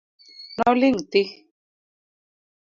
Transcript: Noling thii.